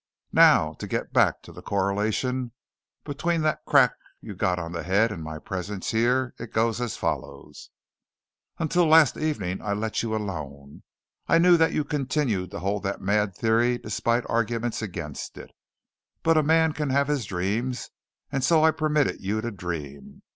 Now, to get back to the correlation between that crack you got on the head and my presence here, it goes as follows: "Until last evening I let you alone. I knew that you continued to hold that mad theory despite arguments against it. But a man can have his dreams, and so I permitted you to dream.